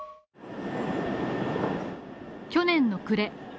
去年の暮れ。